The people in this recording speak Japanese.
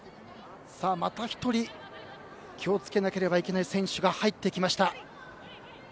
また１人、気を付けなければいけない選手が入ってきました。